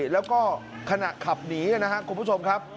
แล้วก็ขณะขับหนีนะครับคุณผู้ชมครับ